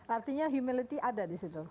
artinya humility ada di situ